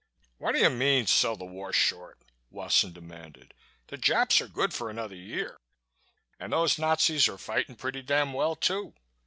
"What do you mean 'sell the war short?'" Wasson demanded. "The Japs are good for another year and those Nazis are fighting pretty damn well, too.